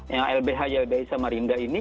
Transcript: yang lbh ylbhi samarinda ini